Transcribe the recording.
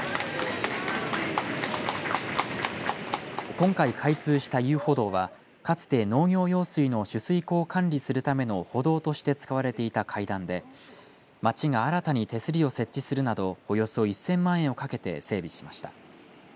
今回開通した遊歩道はかつて農業用水の取水口を管理するための歩道として使われていた階段で町が新たに手すりを設置するなどおよそ１０００万円をかけて整備しました。